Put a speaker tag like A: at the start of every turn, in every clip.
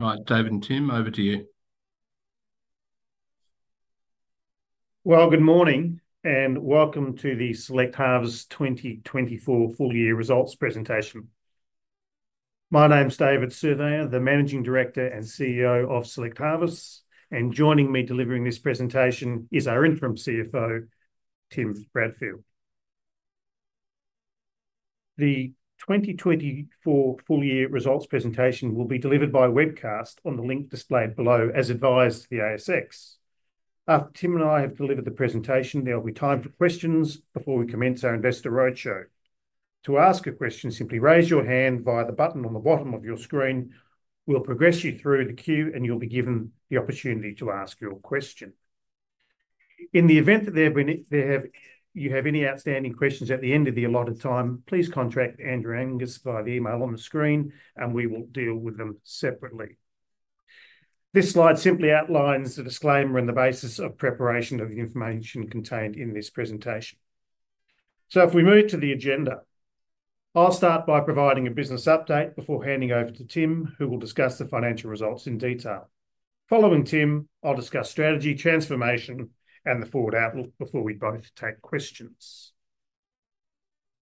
A: Right, David and Tim, over to you.
B: Good morning and welcome to the Select Harvests 2024 full year results presentation. My name's David Surveyor, the Managing Director and CEO of Select Harvests, and joining me delivering this presentation is our Interim CFO, Tim Bradfield. The 2024 full year results presentation will be delivered by webcast on the link displayed below, as advised the ASX. After Tim and I have delivered the presentation, there will be time for questions before we commence our Investor Roadshow. To ask a question, simply raise your hand via the button on the bottom of your screen. We'll progress you through the queue and you'll be given the opportunity to ask your question. In the event that there have been any outstanding questions at the end of the allotted time, please contact Andrew Angus via the email on the screen and we will deal with them separately. This slide simply outlines the disclaimer and the basis of preparation of the information contained in this presentation. So if we move to the agenda, I'll start by providing a business update before handing over to Tim, who will discuss the financial results in detail. Following Tim, I'll discuss strategy, transformation, and the forward outlook before we both take questions.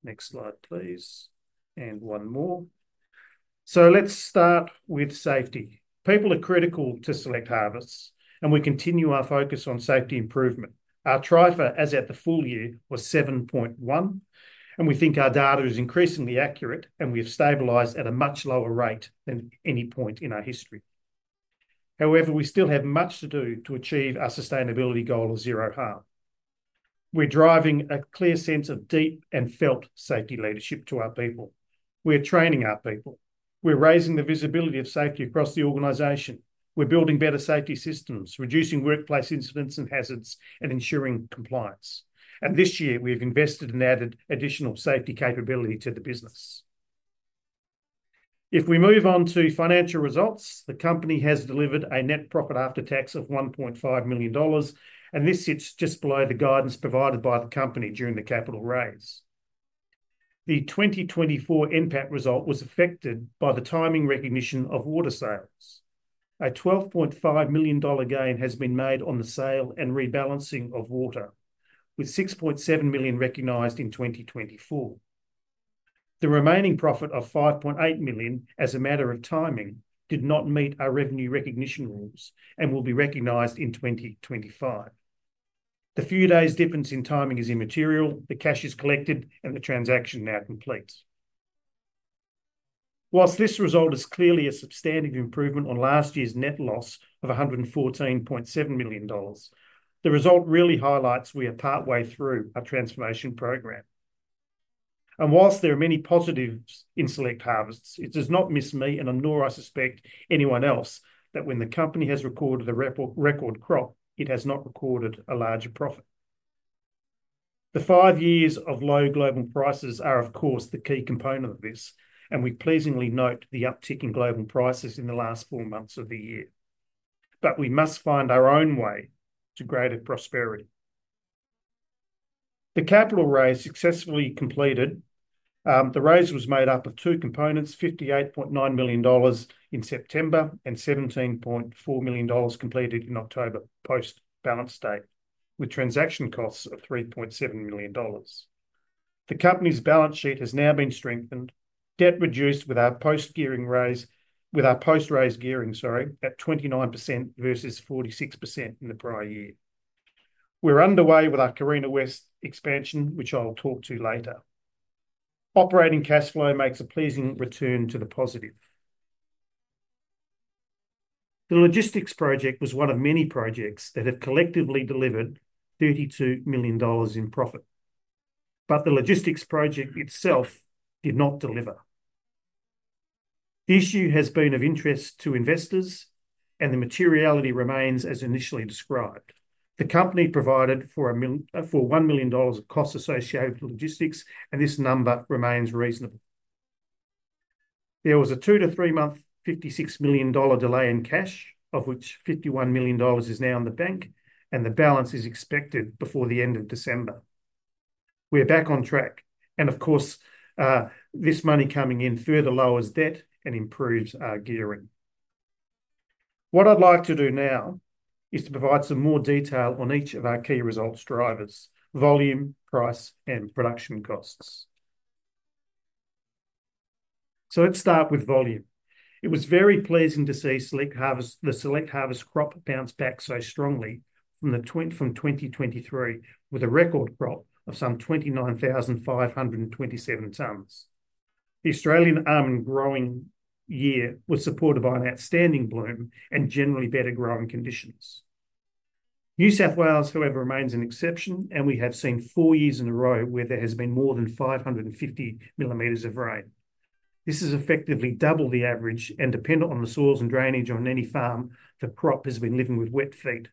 B: Next slide, please. And one more. So let's start with safety. People are critical to Select Harvests and we continue our focus on safety improvement. Our TRIFR, as at the full year, was 7.1, and we think our data is increasingly accurate and we have stabilized at a much lower rate than any point in our history. However, we still have much to do to achieve our sustainability goal of zero harm. We're driving a clear sense of deep and felt safety leadership to our people. We're training our people. We're raising the visibility of safety across the organization. We're building better safety systems, reducing workplace incidents and hazards, and ensuring compliance. And this year we have invested and added additional safety capability to the business. If we move on to financial results, the company has delivered a net profit after tax of 1.5 million dollars, and this sits just below the guidance provided by the company during the capital raise. The 2024 NPAT result was affected by the timing recognition of water sales. A 12.5 million dollar gain has been made on the sale and rebalancing of water, with 6.7 million recognised in 2024. The remaining profit of 5.8 million, as a matter of timing, did not meet our revenue recognition rules and will be recognised in 2025. The few days difference in timing is immaterial. The cash is collected and the transaction now completes. While this result is clearly a substantive improvement on last year's net loss of 114.7 million dollars, the result really highlights we are partway through our transformation program. And while there are many positives in Select Harvests, it does not miss me, and nor do I suspect anyone else, that when the company has recorded a record crop, it has not recorded a larger profit. The five years of low global prices are, of course, the key component of this, and we pleasingly note the uptick in global prices in the last four months of the year. But we must find our own way to greater prosperity. The capital raise successfully completed. The raise was made up of two components: 58.9 million dollars in September and 17.4 million dollars completed in October post-balance date, with transaction costs of 3.7 million dollars. The company's balance sheet has now been strengthened, debt reduced with our post-gearing raise, with our post-raise gearing, sorry, at 29% versus 46% in the prior year. We're underway with our Carina West expansion, which I'll talk to later. Operating cash flow makes a pleasing return to the positive. The logistics project was one of many projects that have collectively delivered 32 million dollars in profit, but the logistics project itself did not deliver. The issue has been of interest to investors, and the materiality remains as initially described. The company provided for 1 million dollars of costs associated with logistics, and this number remains reasonable. There was a two- to three-month 56 million dollar delay in cash, of which 51 million dollars is now in the bank, and the balance is expected before the end of December. We are back on track. Of course, this money coming in further lowers debt and improves our gearing. What I'd like to do now is to provide some more detail on each of our key results drivers: volume, price, and production costs. Let's start with volume. It was very pleasing to see the Select Harvests crop bounce back so strongly from 2023, with a record crop of some 29,527 tonnes. The Australian almond growing year was supported by an outstanding bloom and generally better growing conditions. New South Wales, however, remains an exception, and we have seen four years in a row where there has been more than 550 millimeters of rain. This is effectively double the average, and dependent on the soils and drainage on any farm, the crop has been living with wet feet.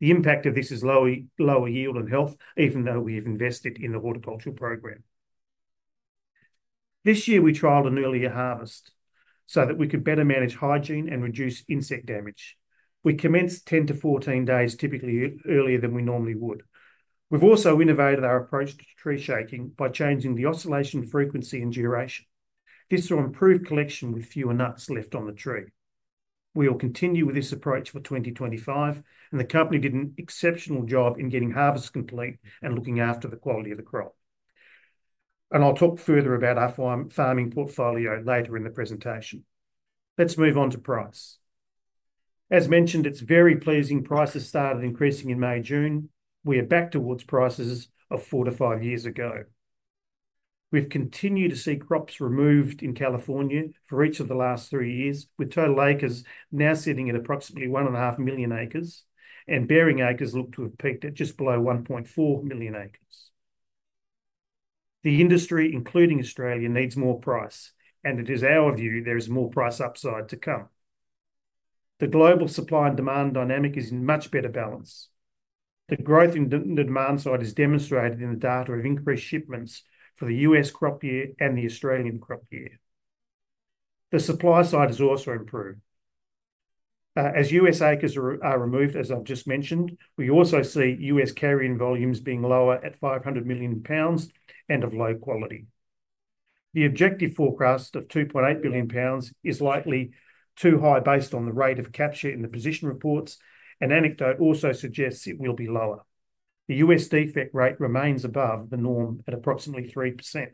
B: The impact of this is lower yield and health, even though we have invested in the horticultural program. This year we trialled an earlier harvest so that we could better manage hygiene and reduce insect damage. We commenced 10-14 days typically earlier than we normally would. We've also innovated our approach to tree shaking by changing the oscillation frequency and duration. This will improve collection with fewer nuts left on the tree. We will continue with this approach for 2025, and the company did an exceptional job in getting harvests complete and looking after the quality of the crop, and I'll talk further about our farming portfolio later in the presentation. Let's move on to price. As mentioned, it's very pleasing. Prices started increasing in May, June. We are back towards prices of four to five years ago. We've continued to see crops removed in California for each of the last three years, with total acres now sitting at approximately 1.5 million acres, and bearing acres look to have peaked at just below 1.4 million acres. The industry, including Australia, needs more price, and it is our view there is more price upside to come. The global supply and demand dynamic is in much better balance. The growth in the demand side is demonstrated in the data of increased shipments for the U.S. crop year and the Australian crop year. The supply side has also improved. As U.S. acres are removed, as I've just mentioned, we also see U.S. carrying volumes being lower at 500 million pounds and of low quality. The objective forecast of 2.8 billion pounds is likely too high based on the rate of capture in the position reports. An anecdote also suggests it will be lower. The U.S. defect rate remains above the norm at approximately 3%,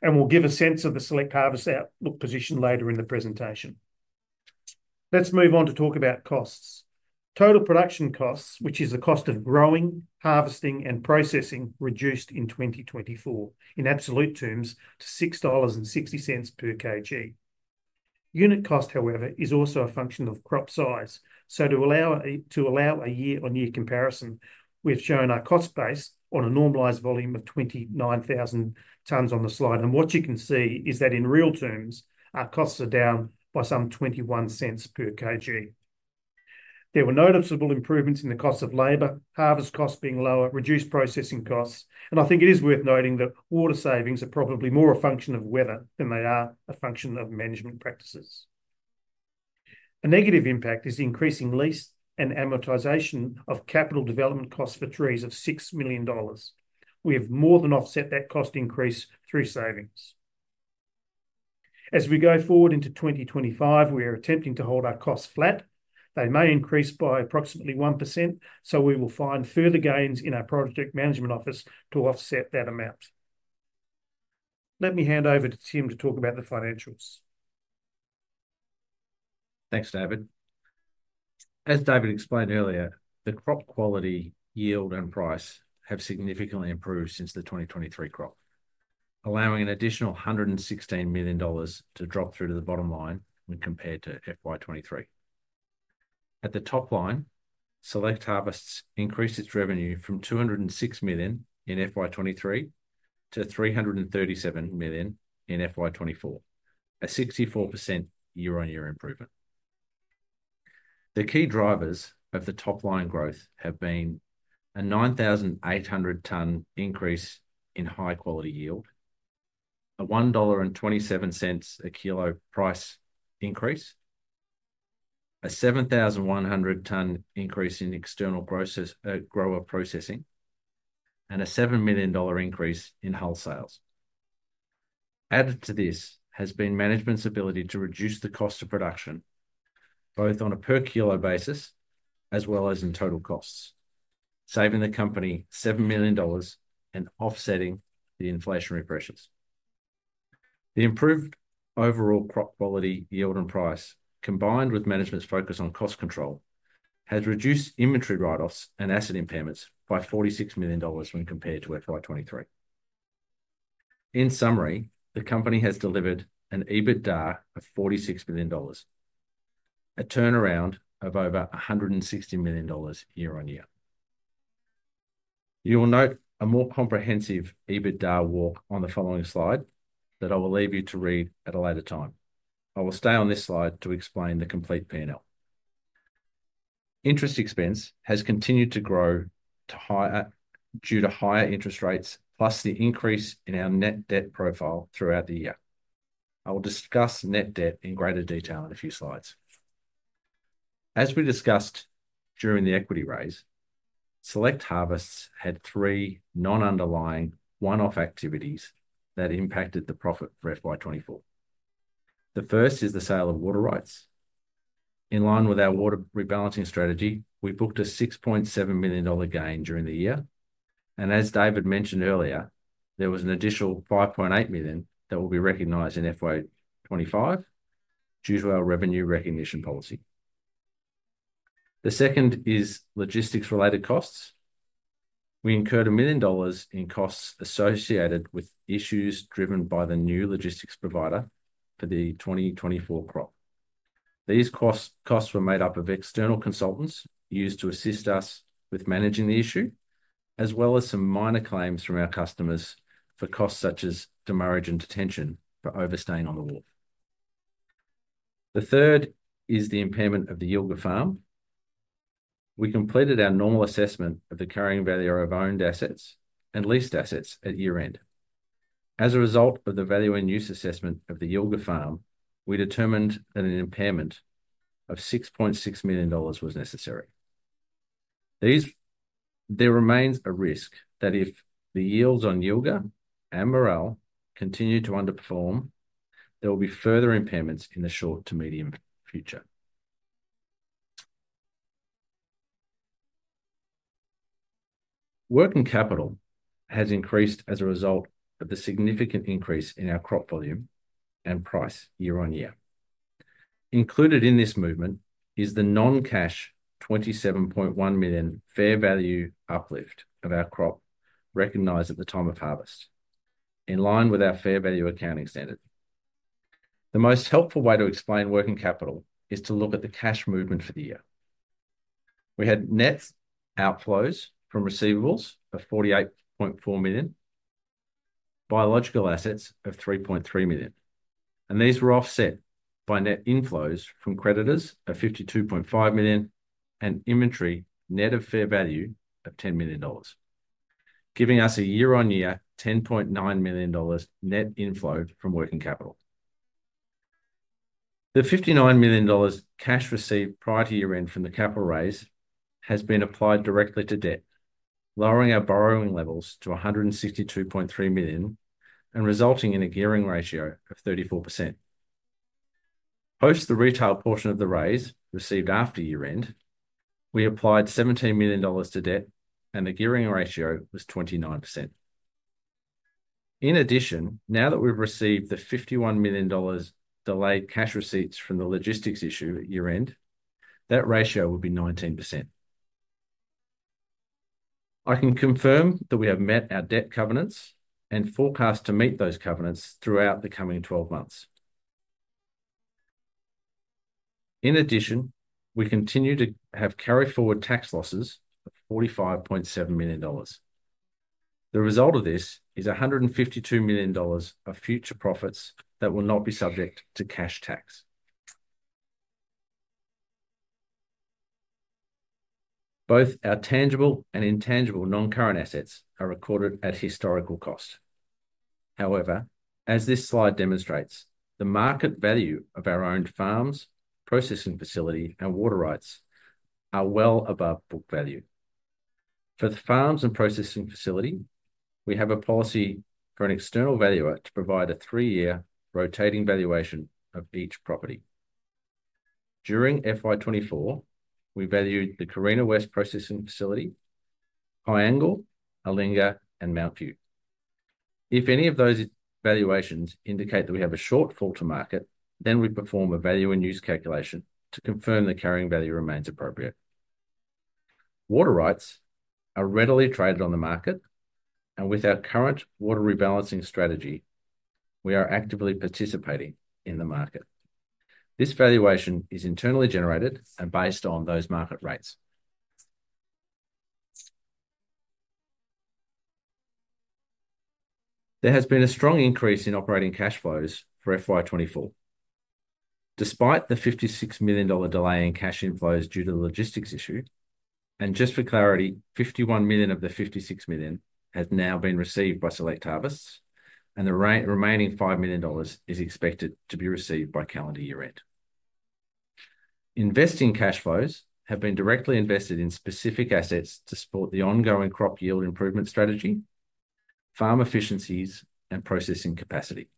B: and we'll give a sense of the Select Harvests outlook position later in the presentation. Let's move on to talk about costs. Total production costs, which is the cost of growing, harvesting, and processing, reduced in 2024 in absolute terms to 6.60 dollars per kg. Unit cost, however, is also a function of crop size. So to allow a year-on-year comparison, we've shown our cost base on a normalized volume of 29,000 tonnes on the slide, and what you can see is that in real terms, our costs are down by some 0.21 per kg. There were noticeable improvements in the cost of labor, harvest costs being lower, reduced processing costs. I think it is worth noting that water savings are probably more a function of weather than they are a function of management practices. A negative impact is increasing lease and amortization of capital development costs for trees of 6 million dollars. We have more than offset that cost increase through savings. As we go forward into 2025, we are attempting to hold our costs flat. They may increase by approximately 1%, so we will find further gains in our project management office to offset that amount. Let me hand over to Tim to talk about the financials.
C: Thanks, David. As David explained earlier, the crop quality, yield, and price have significantly improved since the 2023 crop, allowing an additional 116 million dollars to drop through to the bottom line when compared to FY 2023. At the top line, Select Harvests increased its revenue from 206 million in FY 2023 to 337 million in FY 2024, a 64% year-on-year improvement. The key drivers of the top line growth have been a 9,800 tonne increase in high-quality yield, a 1.27 dollar a kilo price increase, a 7,100 tonne increase in external grower processing, and a 7 million dollar increase in wholesales. Added to this has been management's ability to reduce the cost of production both on a per kilo basis as well as in total costs, saving the company 7 million dollars and offsetting the inflationary pressures. The improved overall crop quality, yield, and price, combined with management's focus on cost control, has reduced inventory write-offs and asset impairments by 46 million dollars when compared to FY 2023. In summary, the company has delivered an EBITDA of 46 million dollars, a turnaround of over 160 million dollars year-on-year. You will note a more comprehensive EBITDA walk on the following slide that I will leave you to read at a later time. I will stay on this slide to explain the complete P&L. Interest expense has continued to grow due to higher interest rates, plus the increase in our net debt profile throughout the year. I will discuss net debt in greater detail in a few slides. As we discussed during the equity raise, Select Harvests had three non-underlying one-off activities that impacted the profit for FY 2024. The first is the sale of water rights. In line with our water rebalancing strategy, we booked a 6.7 million dollar gain during the year. And as David mentioned earlier, there was an additional 5.8 million that will be recognized in FY 2025 due to our revenue recognition policy. The second is logistics-related costs. We incurred 1 million dollars in costs associated with issues driven by the new logistics provider for the 2024 crop. These costs were made up of external consultants used to assist us with managing the issue, as well as some minor claims from our customers for costs such as demurrage and detention for overstaying on the wharf. The third is the impairment of the Yilga farm. We completed our normal assessment of the carrying value of owned assets and leased assets at year-end. As a result of the value-in-use assessment of the Yilga farm, we determined that an impairment of 6.6 million dollars was necessary. There remains a risk that if the yields on Yilga and Mooral continue to underperform, there will be further impairments in the short to medium future. Working capital has increased as a result of the significant increase in our crop volume and price year-on-year. Included in this movement is the non-cash 27.1 million fair value uplift of our crop recognized at the time of harvest, in line with our fair value accounting standard. The most helpful way to explain working capital is to look at the cash movement for the year. We had net outflows from receivables of 48.4 million, biological assets of 3.3 million, and these were offset by net inflows from creditors of 52.5 million and inventory net of fair value of 10 million dollars, giving us a year-on-year 10.9 million dollars net inflow from working capital. The 59 million dollars cash receipt prior to year-end from the capital raise has been applied directly to debt, lowering our borrowing levels to 162.3 million and resulting in a gearing ratio of 34%. Post the retail portion of the raise received after year-end, we applied 17 million dollars to debt, and the gearing ratio was 29%. In addition, now that we've received the 51 million dollars delayed cash receipts from the logistics issue at year-end, that ratio would be 19%. I can confirm that we have met our debt covenants and forecast to meet those covenants throughout the coming 12 months. In addition, we continue to have carry forward tax losses of 45.7 million dollars. The result of this is 152 million dollars of future profits that will not be subject to cash tax. Both our tangible and intangible non-current assets are recorded at historical cost. However, as this slide demonstrates, the market value of our owned farms, processing facility, and water rights are well above book value. For the farms and processing facility, we have a policy for an external valuer to provide a three-year rotating valuation of each property. During FY 2024, we valued the Carina West processing facility, Hyang Ma, Allinga, and Mount View. If any of those valuations indicate that we have a shortfall to market, then we perform a value-in-use calculation to confirm the carrying value remains appropriate. Water rights are readily traded on the market, and with our current water rebalancing strategy, we are actively participating in the market. This valuation is internally generated and based on those market rates. There has been a strong increase in operating cash flows for FY 2024, despite the 56 million dollar delay in cash inflows due to the logistics issue. Just for clarity, 51 million of the 56 million has now been received by Select Harvests, and the remaining 5 million dollars is expected to be received by calendar year-end. Investing cash flows have been directly invested in specific assets to support the ongoing crop yield improvement strategy, farm efficiencies, and processing capacity.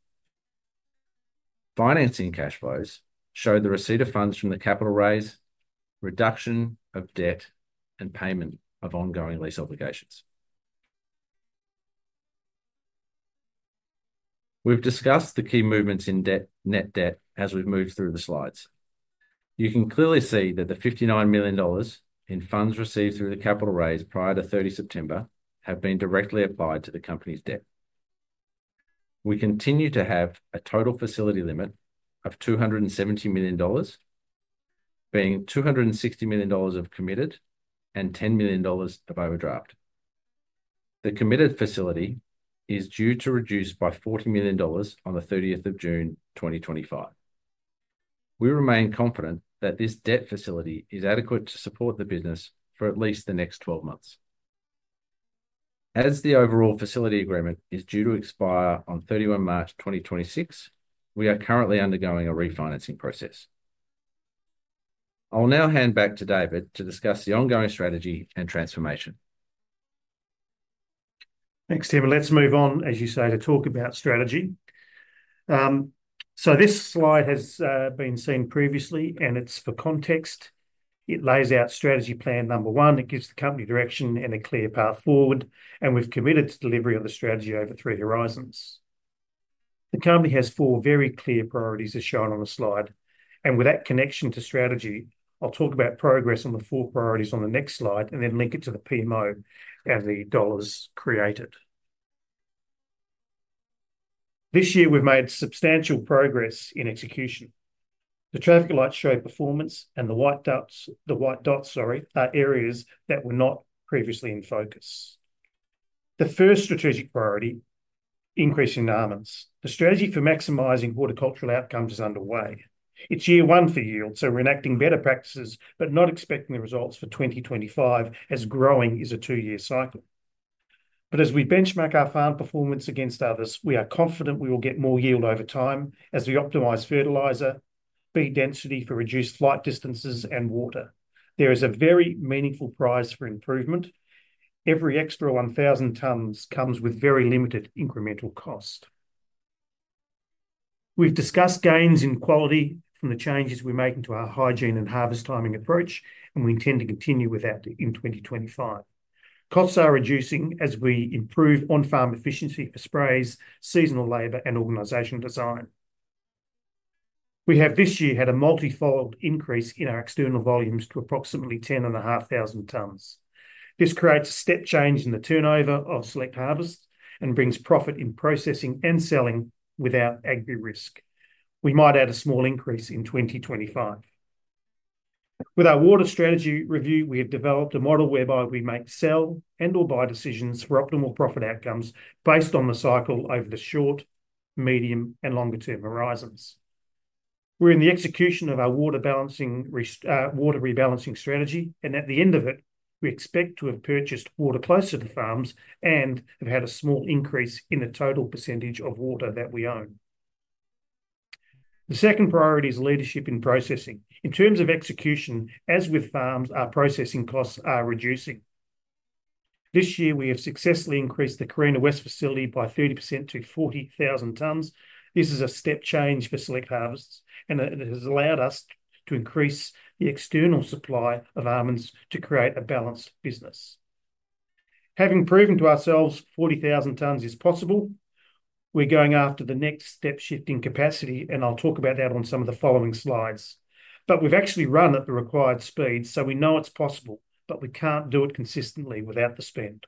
C: Financing cash flows show the receipt of funds from the capital raise, reduction of debt, and payment of ongoing lease obligations. We've discussed the key movements in net debt as we've moved through the slides. You can clearly see that the 59 million dollars in funds received through the capital raise prior to 30 September have been directly applied to the company's debt. We continue to have a total facility limit of 270 million dollars, being 260 million dollars of committed and 10 million dollars of overdraft. The committed facility is due to reduce by 40 million dollars on the 30th of June 2025. We remain confident that this debt facility is adequate to support the business for at least the next 12 months. As the overall facility agreement is due to expire on 31 March 2026, we are currently undergoing a refinancing process. I'll now hand back to David to discuss the ongoing strategy and transformation.
B: Thanks, Tim. Let's move on, as you say, to talk about strategy. So this slide has been seen previously, and it's for context. It lays out strategy plan number one. It gives the company direction and a clear path forward, and we've committed to delivery of the strategy over three horizons. The company has four very clear priorities, as shown on the slide. And with that connection to strategy, I'll talk about progress on the four priorities on the next slide and then link it to the PMO and the dollars created. This year, we've made substantial progress in execution. The traffic lights show performance, and the white dots, sorry, are areas that were not previously in focus. The first strategic priority: increasing margins. The strategy for maximizing horticultural outcomes is underway. It's year one for yield, so we're enacting better practices, but not expecting the results for 2025 as growing is a two-year cycle. But as we benchmark our farm performance against others, we are confident we will get more yield over time as we optimize fertilizer, bee density for reduced flight distances, and water. There is a very meaningful upside for improvement. Every extra 1,000 tonnes comes with very limited incremental cost. We've discussed gains in quality from the changes we're making to our hygiene and harvest timing approach, and we intend to continue with that in 2025. Costs are reducing as we improve on-farm efficiency for sprays, seasonal labor, and organizational design. We have this year had a multi-fold increase in our external volumes to approximately 10,500 tonnes. This creates a step change in the turnover of Select Harvests and brings profit in processing and selling without agri risk. We might add a small increase in 2025. With our water strategy review, we have developed a model whereby we make sell and/or buy decisions for optimal profit outcomes based on the cycle over the short, medium, and longer-term horizons. We're in the execution of our water balancing, water rebalancing strategy, and at the end of it, we expect to have purchased water close to the farms and have had a small increase in the total percentage of water that we own. The second priority is leadership in processing. In terms of execution, as with farms, our processing costs are reducing. This year, we have successfully increased the Carina West facility by 30% to 40,000 tonnes. This is a step change for Select Harvests, and it has allowed us to increase the external supply of almonds to create a balanced business. Having proven to ourselves 40,000 tonnes is possible, we're going after the next step shift in capacity, and I'll talk about that on some of the following slides. But we've actually run at the required speed, so we know it's possible, but we can't do it consistently without the spend.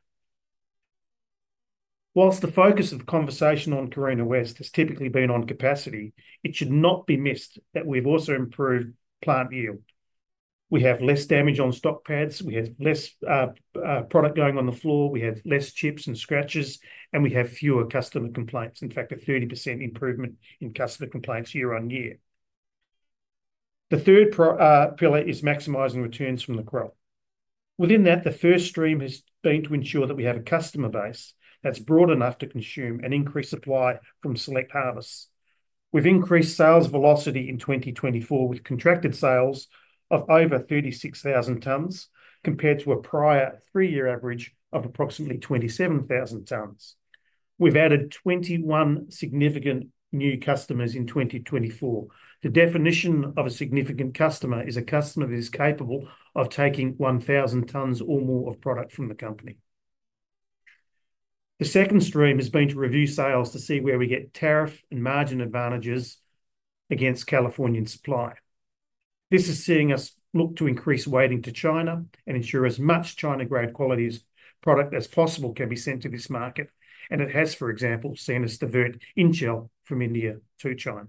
B: While the focus of the conversation on Carina West has typically been on capacity, it should not be missed that we've also improved plant yield. We have less damage on stock pads. We have less product going on the floor. We have less chips and scratches, and we have fewer customer complaints. In fact, a 30% improvement in customer complaints year-on-year. The third pillar is maximizing returns from the crop. Within that, the first stream has been to ensure that we have a customer base that's broad enough to consume and increase supply from Select Harvests. We've increased sales velocity in 2024 with contracted sales of over 36,000 tonnes compared to a prior three-year average of approximately 27,000 tonnes. We've added 21 significant new customers in 2024. The definition of a significant customer is a customer that is capable of taking 1,000 tonnes or more of product from the company. The second stream has been to review sales to see where we get tariff and margin advantages against Californian supply. This is seeing us look to increase weighting to China and ensure as much China-grade quality as product as possible can be sent to this market. And it has, for example, seen us divert in shell from India to China.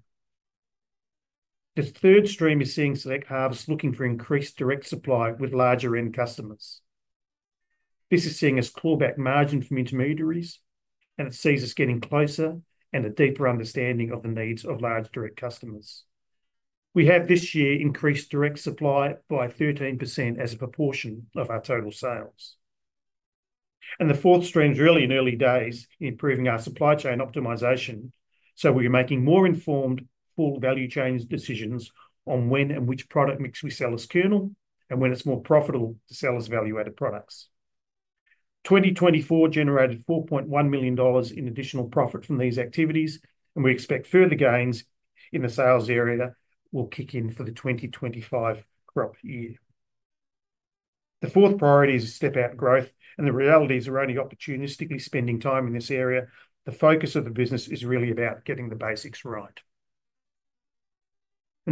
B: The third stream is seeing Select Harvests looking for increased direct supply with larger-end customers. This is seeing us claw back margin from intermediaries, and it sees us getting closer and a deeper understanding of the needs of large direct customers. We have this year increased direct supply by 13% as a proportion of our total sales. And the fourth stream is really in early days in improving our supply chain optimization. So we're making more informed full value chain decisions on when and which product mix we sell as kernel and when it's more profitable to sell as value-added products. 2024 generated 4.1 million dollars in additional profit from these activities, and we expect further gains in the sales area will kick in for the 2025 crop year. The fourth priority is a step out growth, and the reality is we're only opportunistically spending time in this area. The focus of the business is really about getting the basics right.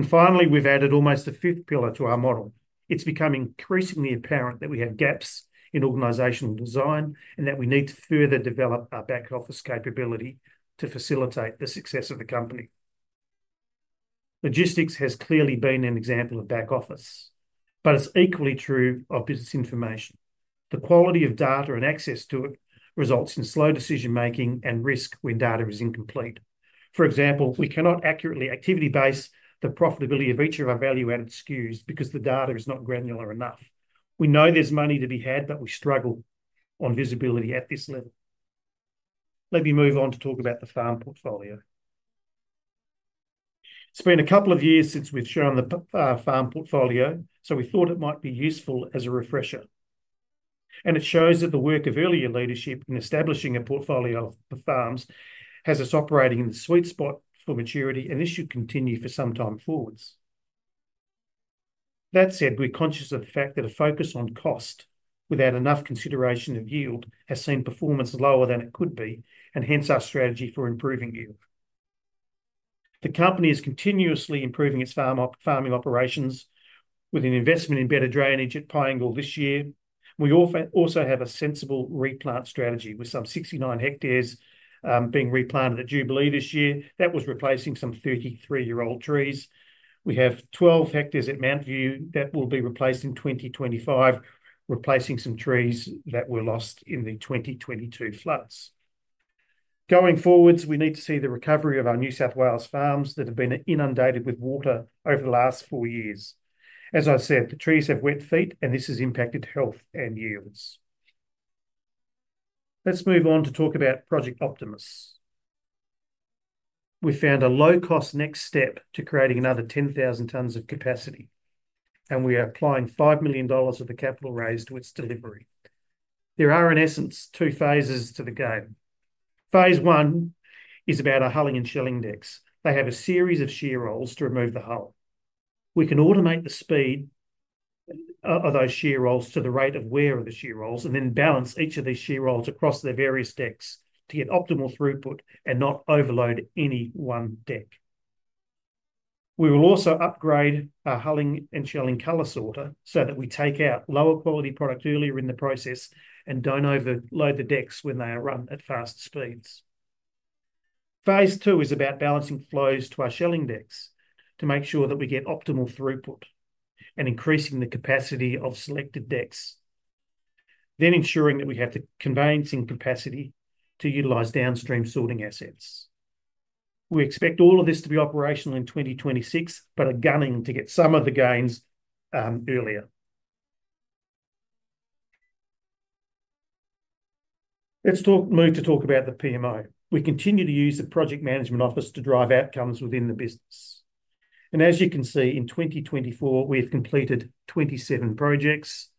C: Finally, we've added almost the fifth pillar to our model. It's become increasingly apparent that we have gaps in organizational design and that we need to further develop our back office capability to facilitate the success of the company. Logistics has clearly been an example of back office, but it's equally true of business information. The quality of data and access to it results in slow decision-making and risk when data is incomplete. For example, we cannot accurately activity-based the profitability of each of our value-added SKUs because the data is not granular enough. We know there's money to be had, but we struggle on visibility at this level. Let me move on to talk about the farm portfolio. It's been a couple of years since we've shown the farm portfolio, so we thought it might be useful as a refresher. And it shows that the work of earlier leadership in establishing a portfolio for farms has us operating in the sweet spot for maturity, and this should continue for some time forwards. That said, we're conscious of the fact that a focus on cost without enough consideration of yield has seen performance lower than it could be, and hence our strategy for improving yield. The company is continuously improving its farming operations with an investment in better drainage at Piangil this year. We also have a sensible replant strategy with some 69 hectares being replanted at Jubilee this year. That was replacing some 33-year-old trees. We have 12 hectares at Mount View that will be replaced in 2025, replacing some trees that were lost in the 2022 floods. Going forward, we need to see the recovery of our New South Wales farms that have been inundated with water over the last four years. As I said, the trees have wet feet, and this has impacted health and yields. Let's move on to talk about Project Optimus. We found a low-cost next step to creating another 10,000 tonnes of capacity, and we are applying 5 million dollars of the capital raised to its delivery. There are, in essence, two phases to the game. Phase one is about our hulling and shelling decks. They have a series of shear rolls to remove the hull. We can automate the speed of those shear rolls to the rate of wear of the shear rolls and then balance each of these shear rolls across their various decks to get optimal throughput and not overload any one deck. We will also upgrade our hulling and shelling color sorter so that we take out lower quality product earlier in the process and don't overload the decks when they are run at fast speeds. Phase two is about balancing flows to our shelling decks to make sure that we get optimal throughput and increasing the capacity of selected decks, then ensuring that we have the conveying capacity to utilize downstream sorting assets. We expect all of this to be operational in 2026, but are gunning to get some of the gains earlier. Let's move to talk about the PMO. We continue to use the Project Management Office to drive outcomes within the business, and as you can see, in 2024, we have completed 27 projects.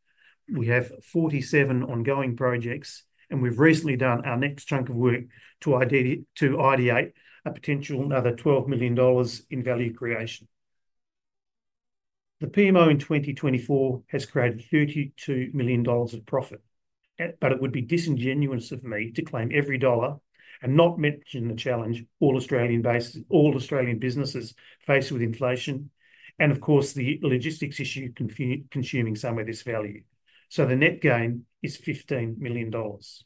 C: We have 47 ongoing projects, and we've recently done our next chunk of work to ideate a potential another 12 million dollars in value creation. The PMO in 2024 has created 32 million dollars of profit, but it would be disingenuous of me to claim every dollar and not mention the challenge all Australian bases, all Australian businesses face with inflation and, of course, the logistics issue consuming some of this value. So the net gain is 15 million dollars.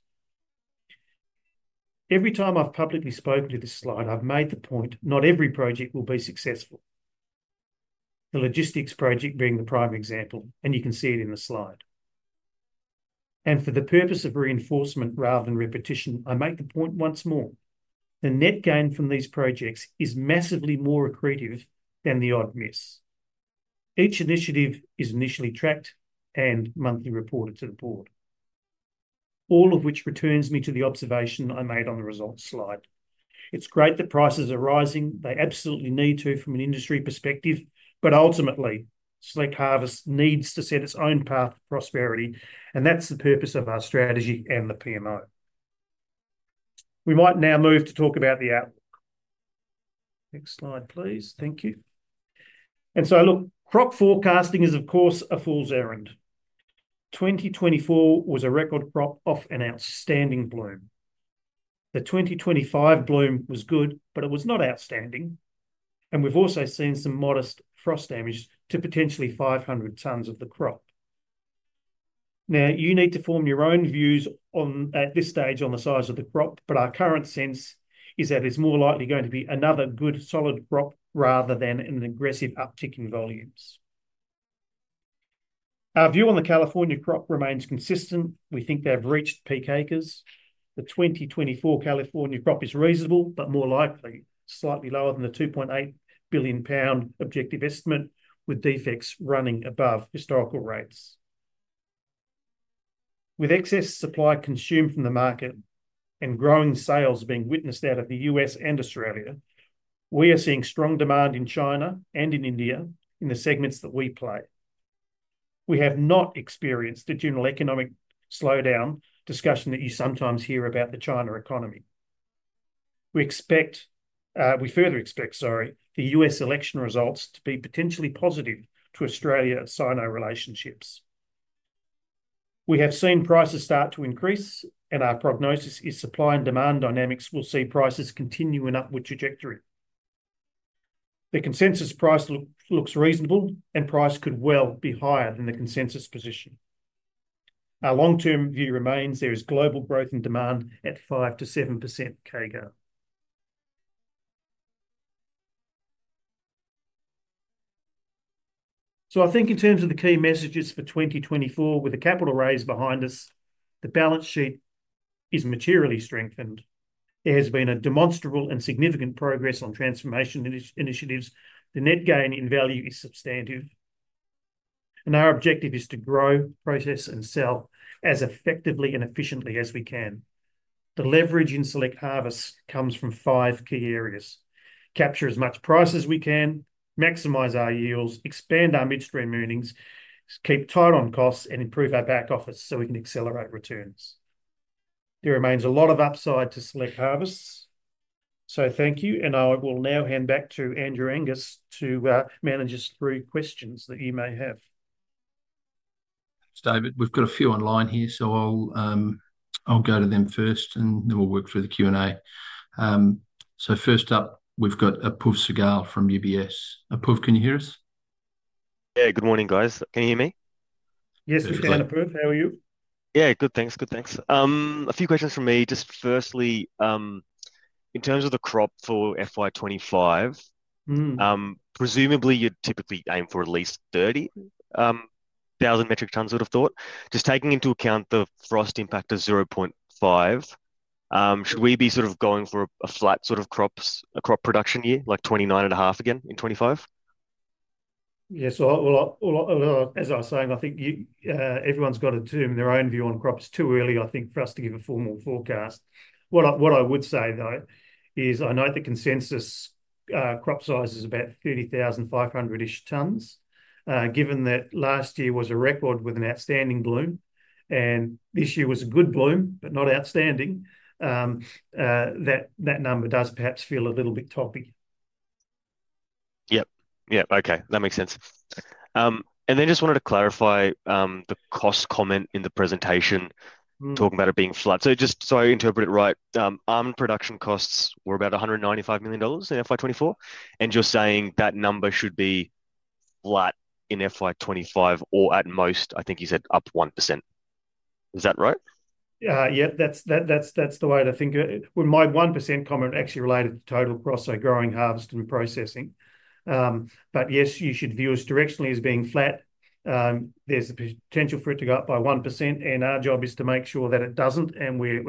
C: Every time I've publicly spoken to this slide, I've made the point not every project will be successful. The logistics project being the prime example, and you can see it in the slide, and for the purpose of reinforcement rather than repetition, I make the point once more. The net gain from these projects is massively more accretive than the odd miss. Each initiative is initially tracked and monthly reported to the board, all of which returns me to the observation I made on the results slide. It's great that prices are rising. They absolutely need to from an industry perspective, but ultimately, Select Harvests needs to set its own path to prosperity, and that's the purpose of our strategy and the PMO. We might now move to talk about the outlook. Next slide, please. Thank you. And so I look. Crop forecasting is, of course, a fool's errand. 2024 was a record crop off an outstanding bloom. The 2025 bloom was good, but it was not outstanding. And we've also seen some modest frost damage to potentially 500 tonnes of the crop. Now, you need to form your own views at this stage on the size of the crop, but our current sense is that it's more likely going to be another good solid crop rather than an aggressive uptick in volumes. Our view on the California crop remains consistent. We think they have reached peak acres. The 2024 California crop is reasonable, but more likely slightly lower than the 2.8 billion pounds objective estimate, with defects running above historical rates. With excess supply consumed from the market and growing sales being witnessed out of the US and Australia, we are seeing strong demand in China and in India in the segments that we play. We have not experienced the general economic slowdown discussion that you sometimes hear about the China economy. We expect, we further expect, sorry, the US election results to be potentially positive to Australia-Sino relationships. We have seen prices start to increase, and our prognosis is supply and demand dynamics will see prices continue an upward trajectory. The consensus price looks reasonable, and price could well be higher than the consensus position. Our long-term view remains there is global growth and demand at 5%-7% CAGR. So I think in terms of the key messages for 2024, with the capital raised behind us, the balance sheet is materially strengthened. There has been a demonstrable and significant progress on transformation initiatives. The net gain in value is substantive, and our objective is to grow, process, and sell as effectively and efficiently as we can. The leverage in Select Harvests comes from five key areas: capture as much price as we can, maximize our yields, expand our midstream earnings, keep tight on costs, and improve our back office so we can accelerate returns. There remains a lot of upside to Select Harvests. So thank you, and I will now hand back to Andrew Angus to manage us through questions that you may have.
A: Thanks, David. We've got a few online here, so I'll go to them first, and then we'll work through the Q&A. So first up, we've got Apoorv Sehgal from UBS. Apoorv, can you hear us?
D: Yeah, good morning, guys. Can you hear me?
A: Yes, we can, Apoorv. How are you?
D: Yeah, good, thanks. Good, thanks. A few questions for me. Just firstly, in terms of the crop for FY 2025, presumably you'd typically aim for at least 30,000 metric tonnes, would have thought. Just taking into account the frost impact of 0.5, should we be sort of going for a flat sort of crop production year, like 29 and a half again in 2025?
B: Yeah, so as I was saying, I think everyone's got to form their own view on crops too early, I think, for us to give a formal forecast. What I would say, though, is I note the consensus crop size is about 30,500-ish tonnes, given that last year was a record with an outstanding bloom, and this year was a good bloom, but not outstanding. That number does perhaps feel a little bit toppy.
D: Yep, yep, okay. That makes sense. And then just wanted to clarify the cost comment in the presentation talking about it being flat. So just so I interpret it right, almond production costs were about 195 million dollars in FY 2024, and you're saying that number should be flat in FY 2025 or at most, I think you said, up 1%. Is that right?
B: Yeah, that's the way to think of it. My 1% comment actually related to total cost, so growing, harvesting, processing. But yes, you should view us directionally as being flat. There's a potential for it to go up by 1%, and our job is to make sure that it doesn't. And we've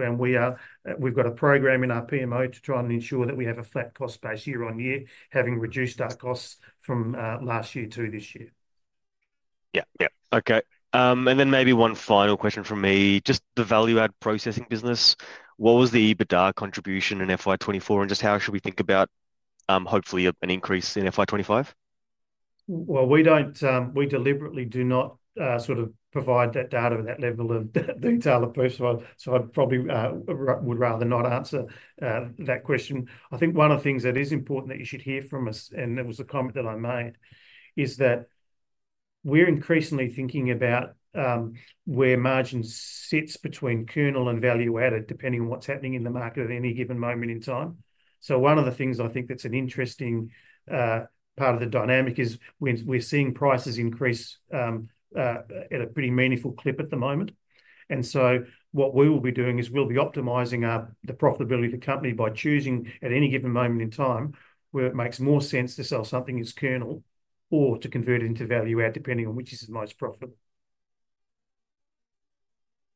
B: got a program in our PMO to try and ensure that we have a flat cost base year on year, having reduced our costs from last year to this year.
D: Yep, yep, okay. And then maybe one final question from me. Just the value-add processing business. What was the EBITDA contribution in FY 2024, and just how should we think about hopefully an increase in FY 2025?
B: Well, we deliberately do not sort of provide that data at that level of detail up front, so I'd probably rather not answer that question. I think one of the things that is important that you should hear from us, and it was a comment that I made, is that we're increasingly thinking about where margin sits between kernel and value-added, depending on what's happening in the market at any given moment in time. So one of the things I think that's an interesting part of the dynamic is we're seeing prices increase at a pretty meaningful clip at the moment. And so what we will be doing is we'll be optimizing the profitability of the company by choosing at any given moment in time where it makes more sense to sell something as kernel or to convert it into value-add, depending on which is the most profitable.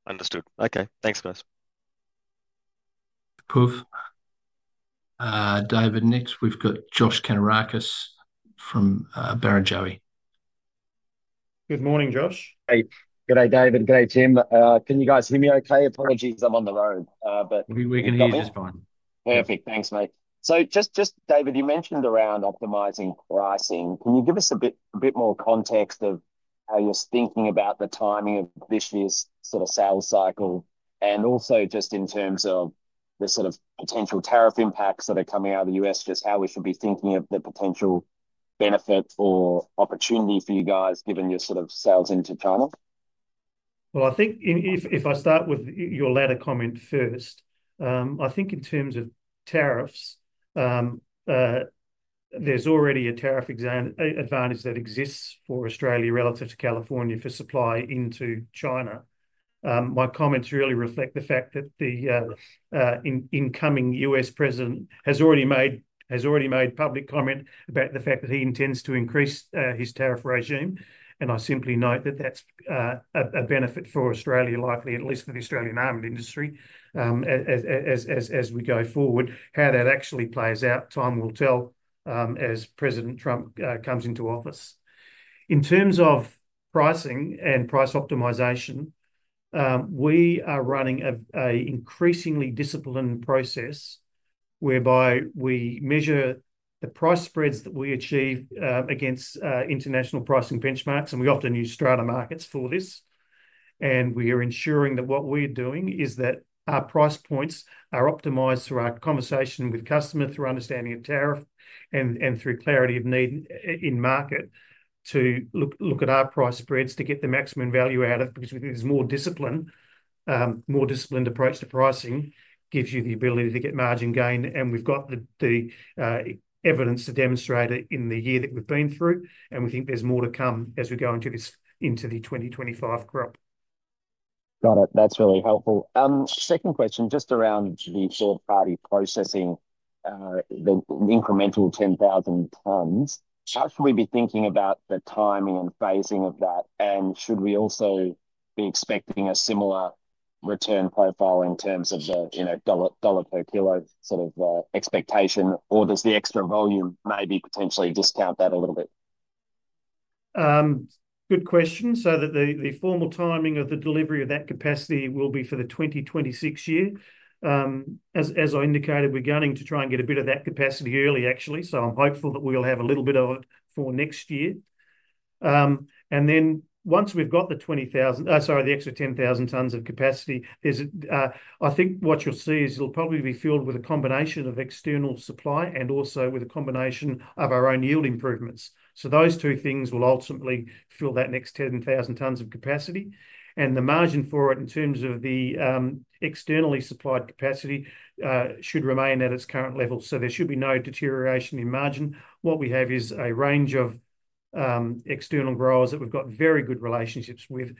D: Understood. Okay, thanks, guys.
A: Apoorv. David, next we've got Josh Kannourakis from Barrenjoey.
E: Good morning, Josh. Hey, good day, David. Good day, Tim. Can you guys hear me okay? Apologies, I'm on the road, but we can hear you just fine. Perfect, thanks, mate. So just, David, you mentioned around optimizing pricing. Can you give us a bit more context of how you're thinking about the timing of this year's sort of sales cycle and also just in terms of the sort of potential tariff impacts that are coming out of the U.S., just how we should be thinking of the potential benefit or opportunity for you guys given your sort of sales into China?
B: Well, I think if I start with your latter comment first, I think in terms of tariffs, there's already a tariff advantage that exists for Australia relative to California for supply into China. My comments really reflect the fact that the incoming U.S. president has already made public comment about the fact that he intends to increase his tariff regime. I simply note that that's a benefit for Australia, likely at least for the Australian almond industry as we go forward. How that actually plays out, time will tell as President Trump comes into office. In terms of pricing and price optimization, we are running an increasingly disciplined process whereby we measure the price spreads that we achieve against international pricing benchmarks, and we often use Stratamarkets for this. We are ensuring that what we're doing is that our price points are optimized through our conversation with customers, through understanding of tariff and through clarity of need in market to look at our price spreads to get the maximum value out of it because we think there's more discipline. More disciplined approach to pricing gives you the ability to get margin gain, and we've got the evidence to demonstrate it in the year that we've been through, and we think there's more to come as we go into this into the 2025 crop.
E: Got it. That's really helpful. Second question, just around the third-party processing, the incremental 10,000 tonnes, how should we be thinking about the timing and phasing of that? And should we also be expecting a similar return profile in terms of the dollar per kilo sort of expectation, or does the extra volume maybe potentially discount that a little bit?
B: Good question. So the formal timing of the delivery of that capacity will be for the 2026 year. As I indicated, we're going to try and get a bit of that capacity early, actually, so I'm hopeful that we'll have a little bit of it for next year. And then once we've got the 20,000, sorry, the extra 10,000 tonnes of capacity, I think what you'll see is it'll probably be filled with a combination of external supply and also with a combination of our own yield improvements. So those two things will ultimately fill that next 10,000 tonnes of capacity. And the margin for it in terms of the externally supplied capacity should remain at its current level, so there should be no deterioration in margin. What we have is a range of external growers that we've got very good relationships with.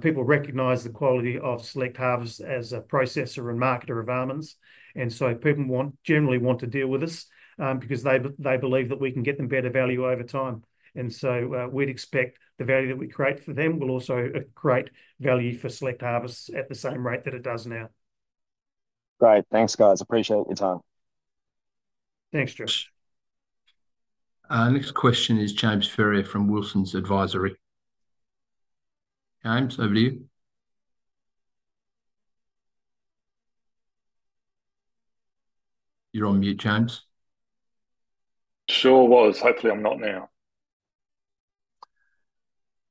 B: People recognize the quality of Select Harvests as a processor and marketer of almonds, and so people generally want to deal with us because they believe that we can get them better value over time. And so we'd expect the value that we create for them will also create value for Select Harvests at the same rate that it does now.
E: Great. Thanks, guys. Appreciate your time.
A: Thanks, Josh. Next question is James Ferrier from Wilsons Advisory. James, over to you. You're on mute, James.
F: Sure was. Hopefully, I'm not now.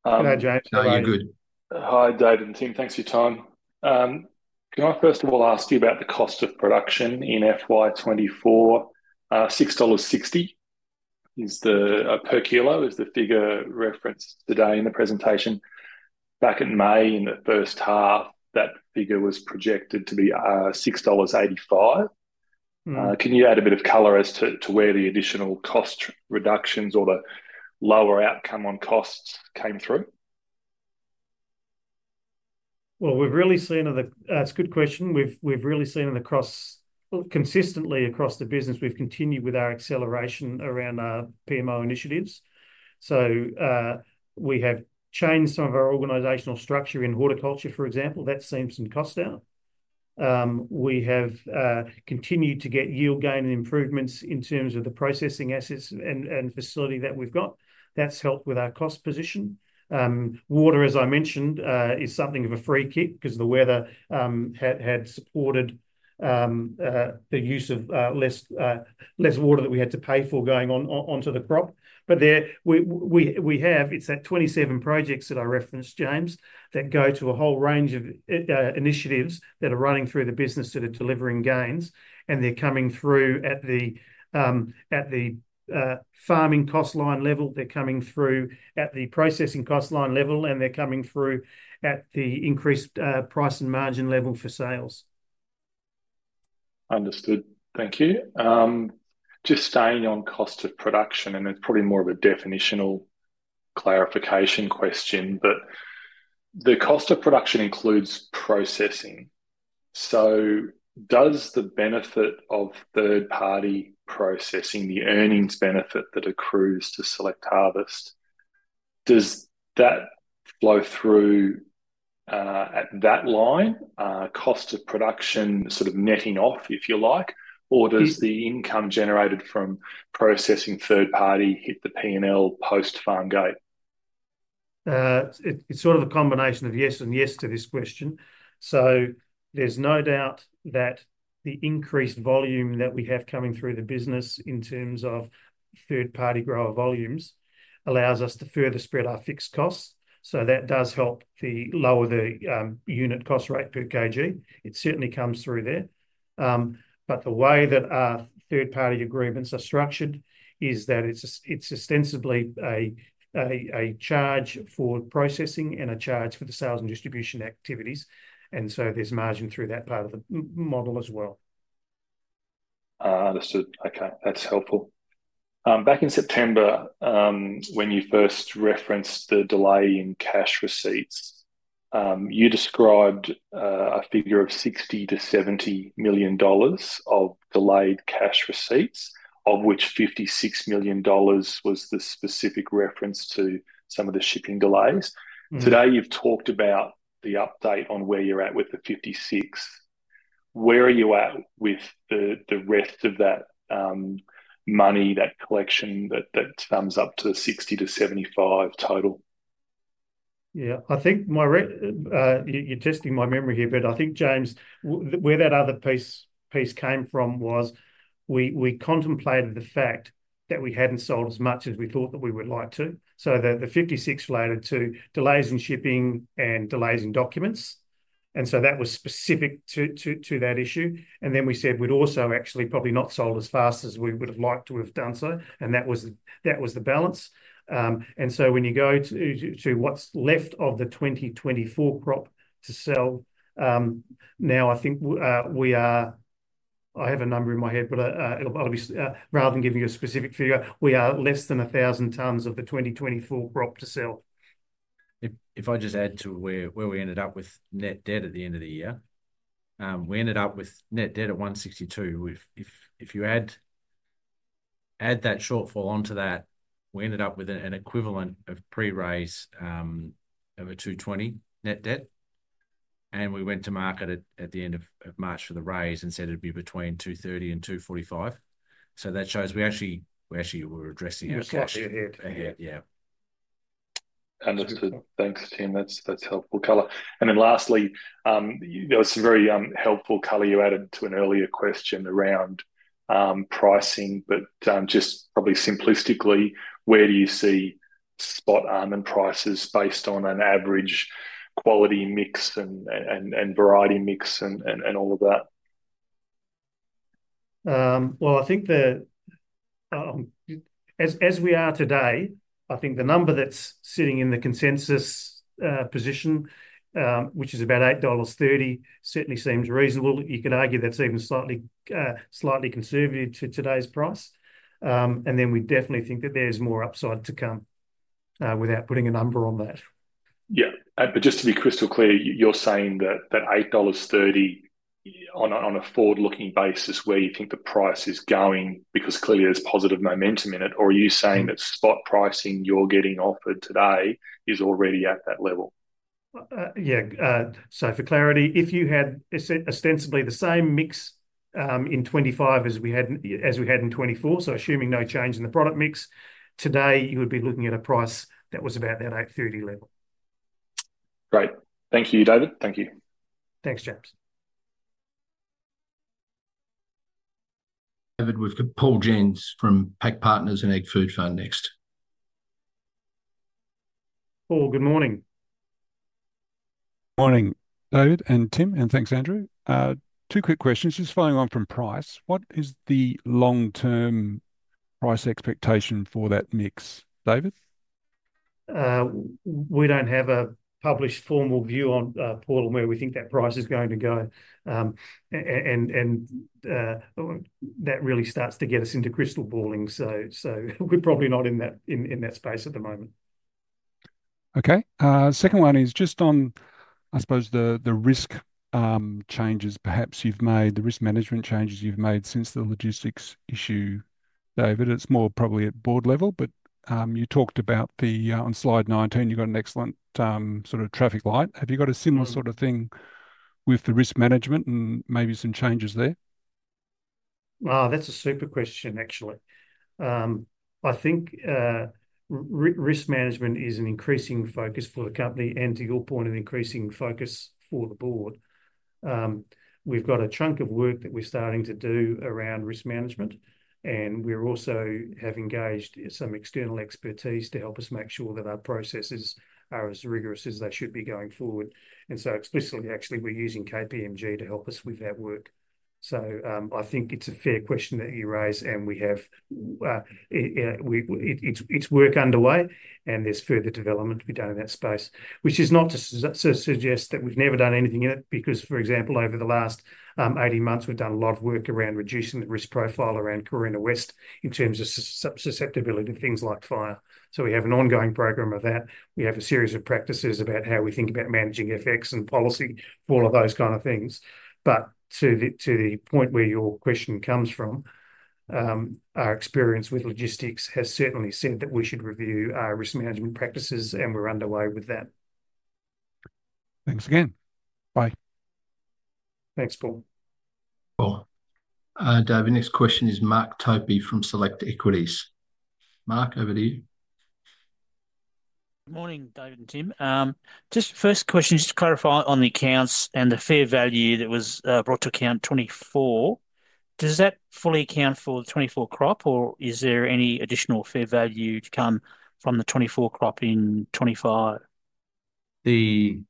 F: Hello, James. Hi, you're good. Hi, David and Tim. Thanks for your time. Can I first of all ask you about the cost of production in FY 2024? AUD 6.60 per kilo is the figure referenced today in the presentation. Back in May, in the first half, that figure was projected to be 6.85 dollars. Can you add a bit of color as to where the additional cost reductions or the lower outcome on costs came through?
B: That's a good question. We've really seen a consistency across the business. We've continued with our acceleration around our PMO initiatives. So we have changed some of our organizational structure in horticulture, for example. That's seen some costs down. We have continued to get yield gain and improvements in terms of the processing assets and facility that we've got. That's helped with our cost position. Water, as I mentioned, is something of a free kick because the weather had supported the use of less water that we had to pay for going onto the crop. But there we have. It's that 27 projects that I referenced, James, that go to a whole range of initiatives that are running through the business to the delivering gains. And they're coming through at the farming cost line level. They're coming through at the processing cost line level, and they're coming through at the increased price and margin level for sales.
F: Understood. Thank you. Just staying on cost of production, and it's probably more of a definitional clarification question, but the cost of production includes processing. So does the benefit of third-party processing, the earnings benefit that accrues to Select Harvests, does that flow through at that line, cost of production, sort of netting off, if you like, or does the income generated from processing third-party hit the P&L post-farm gate?
B: It's sort of a combination of yes and yes to this question. So there's no doubt that the increased volume that we have coming through the business in terms of third-party grower volumes allows us to further spread our fixed costs. So that does help lower the unit cost rate per kg. It certainly comes through there. But the way that our third-party agreements are structured is that it's ostensibly a charge for processing and a charge for the sales and distribution activities. And so there's margin through that part of the model as well.
F: Understood. Okay, that's helpful. Back in September, when you first referenced the delay in cash receipts, you described a figure of 60 million to 70 million dollars of delayed cash receipts, of which 56 million dollars was the specific reference to some of the shipping delays. Today, you've talked about the update on where you're at with the 56 million. Where are you at with the rest of that money, that collection that sums up to $60 to $75 total?
B: Yeah, I think—you're testing my memory here, but I think, James, where that other piece came from was we contemplated the fact that we hadn't sold as much as we thought that we would like to. So the $56 related to delays in shipping and delays in documents. And so that was specific to that issue. And then we said we'd also actually probably not sold as fast as we would have liked to have done so, and that was the balance. And so when you go to what's left of the 2024 crop to sell, now I think we are—I have a number in my head, but rather than giving you a specific figure, we are less than 1,000 tonnes of the 2024 crop to sell.
C: If I just add to where we ended up with net debt at the end of the year, we ended up with net debt at 162. If you add that shortfall onto that, we ended up with an equivalent of pre-raise of a 220 net debt. And we went to market at the end of March for the raise and said it'd be between 230 and 245. So that shows we actually were addressing our cash. You're cutting ahead. Yeah.
F: Understood. Thanks, Tim. That's helpful color. And then lastly, there was some very helpful color you added to an earlier question around pricing, but just probably simplistically, where do you see spot almond prices based on an average quality mix and variety mix and all of that?
B: Well, I think that as we are today, I think the number that's sitting in the consensus position, which is about 8.30 dollars, certainly seems reasonable. You could argue that's even slightly conservative to today's price. And then we definitely think that there's more upside to come without putting a number on that.
F: Yeah. But just to be crystal clear, you're saying that that 8.30 dollars on a forward-looking basis where you think the price is going because clearly there's positive momentum in it, or are you saying that spot pricing you're getting offered today is already at that level?
B: Yeah. So for clarity, if you had ostensibly the same mix in 2025 as we had in 2024, so assuming no change in the product mix, today you would be looking at a price that was about that 8.30 level.
F: Great. Thank you, David. Thank you.
B: Thanks, James.
A: David with Paul Jensz from PAC Partners and AgFood Fund next.
B: Paul, good morning.
G: Morning, David and Tim, and thanks, Andrew. Two quick questions. Just following on from price, what is the long-term price expectation for that mix, David?
B: We don't have a published formal view on the portfolio where we think that price is going to go. And that really starts to get us into crystal balling. So we're probably not in that space at the moment.
G: Okay. Second one is just on, I suppose, the risk changes perhaps you've made, the risk management changes you've made since the logistics issue, David. It's more probably at board level, but you talked about the—on slide 19, you've got an excellent sort of traffic light. Have you got a similar sort of thing with the risk management and maybe some changes there?
B: That's a super question, actually. I think risk management is an increasing focus for the company, and to your point, an increasing focus for the board. We've got a chunk of work that we're starting to do around risk management, and we also have engaged some external expertise to help us make sure that our processes are as rigorous as they should be going forward, and so explicitly, actually, we're using KPMG to help us with that work, so I think it's a fair question that you raise, and it's work underway, and there's further development to be done in that space, which is not to suggest that we've never done anything in it because, for example, over the last 18 months, we've done a lot of work around reducing the risk profile around Carina West in terms of susceptibility to things like fire, so we have an ongoing program of that. We have a series of practices about how we think about managing FX and policy for all of those kinds of things. But to the point where your question comes from, our experience with logistics has certainly said that we should review our risk management practices, and we're underway with that.
G: Thanks again. Bye.
B: Thanks, Paul.
A: David, next question is Mark Topy from Select Equities. Mark, over to you.
H: Good morning, David and Tim. Just first question, just to clarify on the accounts and the fair value that was brought to account 2024, does that fully account for the 2024 crop, or is there any additional fair value to come from the 2024 crop in 2025?
C: We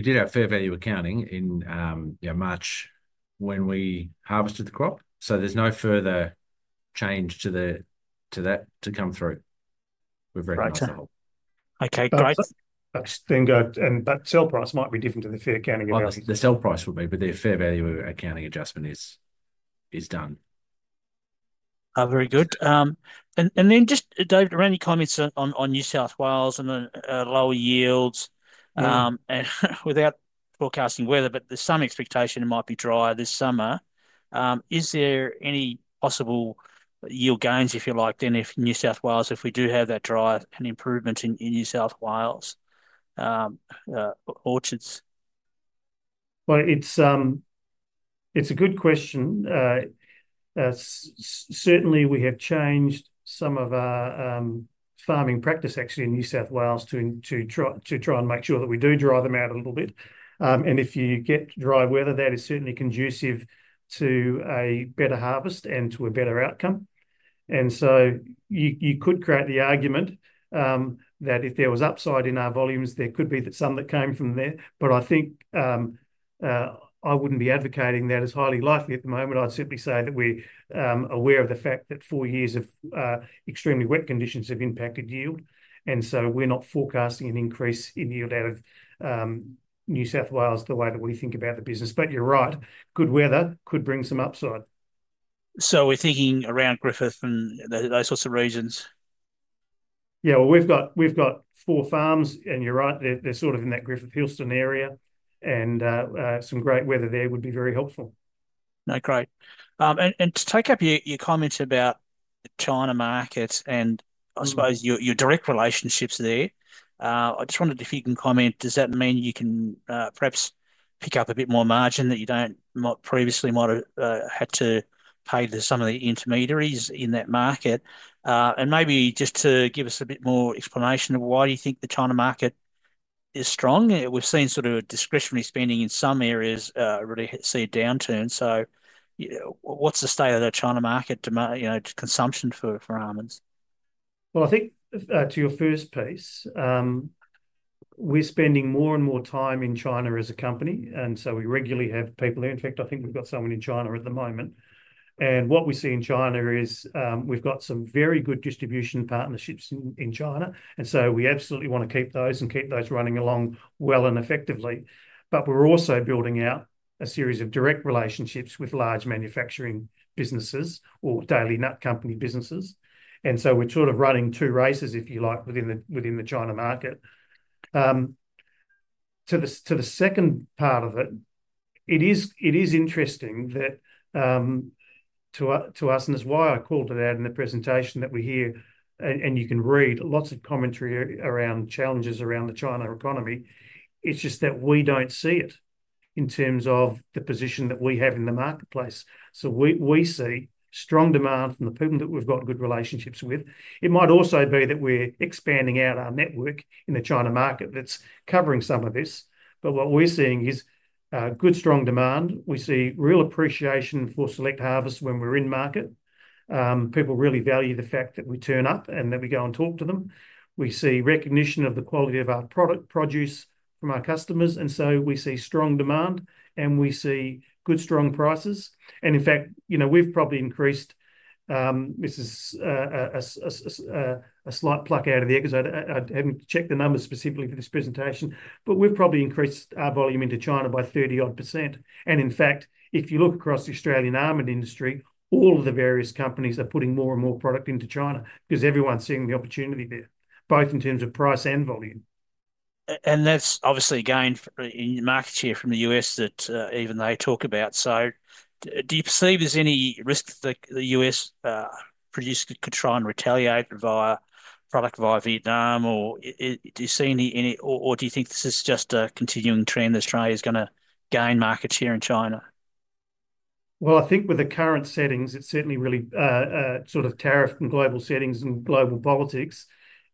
C: did have fair value accounting in March when we harvested the crop. So there's no further change to that to come through. We've recognized the whole.
H: Okay, great.
B: Then go ahead. That sell price might be different to the fair value accounting adjustment. The sell price would be, but their fair value accounting adjustment is done.
H: Very good. Then just, David, around your comments on New South Wales and lower yields and without forecasting weather, but there's some expectation it might be drier this summer. Is there any possible yield gains, if you like, then if New South Wales, if we do have that dry and improvement in New South Wales orchards?
B: It's a good question. Certainly, we have changed some of our farming practice, actually, in New South Wales to try and make sure that we do dry them out a little bit. If you get dry weather, that is certainly conducive to a better harvest and to a better outcome. You could create the argument that if there was upside in our volumes, there could be some that came from there. But I think I wouldn't be advocating that as highly likely at the moment. I'd simply say that we're aware of the fact that four years of extremely wet conditions have impacted yield. We're not forecasting an increase in yield out of New South Wales the way that we think about the business. But you're right. Good weather could bring some upside.
H: So we're thinking around Griffith and those sorts of regions?
B: Yeah, well, we've got four farms, and you're right. They're sort of in that Griffith, Euston area. And some great weather there would be very helpful.
H: No, great. And to take up your comments about China markets and I suppose your direct relationships there, I just wondered if you can comment. Does that mean you can perhaps pick up a bit more margin that you previously might have had to pay to some of the intermediaries in that market? And maybe just to give us a bit more explanation of why do you think the China market is strong? We've seen sort of discretionary spending in some areas really see a downturn. So what's the state of the China market consumption for almonds?
B: Well, I think to your first piece, we're spending more and more time in China as a company. And so we regularly have people there. In fact, I think we've got someone in China at the moment. And what we see in China is we've got some very good distribution partnerships in China. And so we absolutely want to keep those and keep those running along well and effectively. But we're also building out a series of direct relationships with large manufacturing businesses or dairy nut company businesses. And so we're sort of running two races, if you like, within the China market. To the second part of it, it is interesting that to us, and it's why I called it out in the presentation that we hear, and you can read lots of commentary around challenges around the China economy. It's just that we don't see it in terms of the position that we have in the marketplace. So we see strong demand from the people that we've got good relationships with. It might also be that we're expanding out our network in the China market that's covering some of this. But what we're seeing is good, strong demand. We see real appreciation for Select Harvests when we're in market. People really value the fact that we turn up and that we go and talk to them. We see recognition of the quality of our product produce from our customers. And so we see strong demand, and we see good, strong prices, and in fact, we've probably increased, this is a slight pluck out of the egg, so I haven't checked the numbers specifically for this presentation, but we've probably increased our volume into China by 30-odd%. And in fact, if you look across the Australian almond industry, all of the various companies are putting more and more product into China because everyone's seeing the opportunity there, both in terms of price and volume.
H: And that's obviously gained in market share from the U.S. that even they talk about. Do you perceive there's any risk that the US producer could try and retaliate via product via Vietnam, or do you think this is just a continuing trend that Australia is going to gain market share in China?
B: Well, I think with the current settings, it's certainly really sort of tariff and global settings and global politics.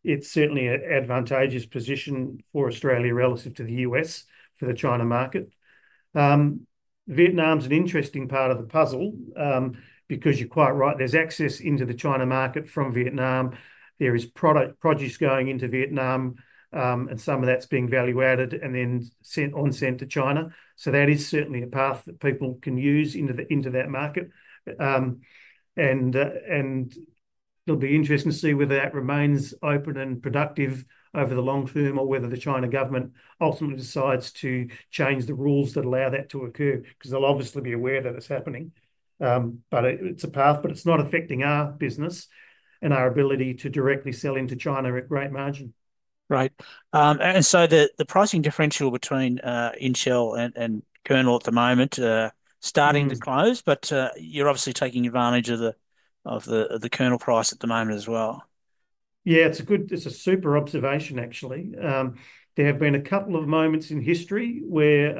B: It's certainly an advantageous position for Australia relative to the US for the China market. Vietnam's an interesting part of the puzzle because you're quite right. There's access into the China market from Vietnam. There is product produce going into Vietnam, and some of that's being value-added and then on-sent to China. So that is certainly a path that people can use into that market. And it'll be interesting to see whether that remains open and productive over the long term or whether the Chinese government ultimately decides to change the rules that allow that to occur because they'll obviously be aware that it's happening. But it's a path, but it's not affecting our business and our ability to directly sell into China at great margin.
H: Right. And so the pricing differential between inshell and kernel at the moment is starting to close, but you're obviously taking advantage of the kernel price at the moment as well.
B: Yeah, it's a super observation, actually. There have been a couple of moments in history where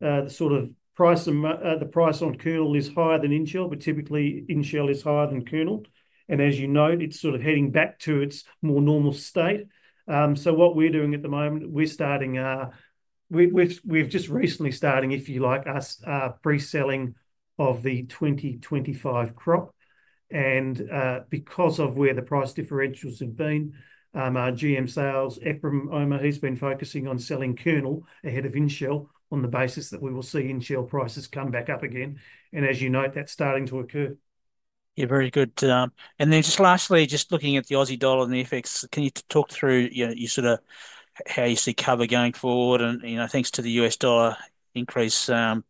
B: the sort of price on kernel is higher than inshell, but typically inshell is higher than kernel. And as you know, it's sort of heading back to its more normal state. So what we're doing at the moment, we're starting—we've just recently started, if you like, our pre-selling of the 2025 crop. And because of where the price differentials have been, our GM sales, Ephraim Gomez, he's been focusing on selling kernel ahead of inshell on the basis that we will see inshell prices come back up again. And as you know, that's starting to occur.
H: Yeah, very good. And then just lastly, just looking at the Aussie dollar and the FX, can you talk through sort of how you see cover going forward? And thanks to the US dollar increase, how